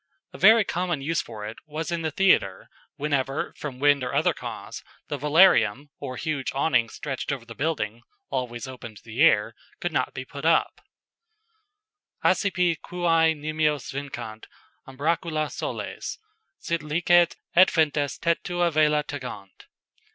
A very common use for it was in the theatre, whenever, from wind or other cause, the velarium or huge awning stretched over the building (always open to the air) could not be put up: "Accipe quæ nimios vincant umbracula soles, Sit licet, et ventus, te tua vela tegont."